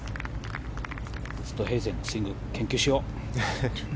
ウーストヘイゼンのスイング、研究しよう！